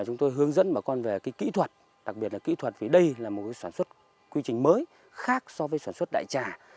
chúng tôi hướng dẫn bà con về kỹ thuật đặc biệt là kỹ thuật vì đây là một sản xuất quy trình mới khác so với sản xuất đại trà